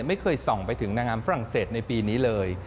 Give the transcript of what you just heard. ไม่เคยส่องไปถึงนางงามฝรั่งเศสในปีนี้เลย